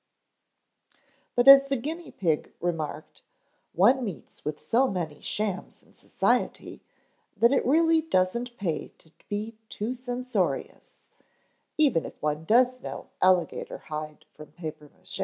But as the guinea pig remarked, one meets with so many shams in society that it really doesn't pay to be too censorious, even if one does know alligator hide from papier mache.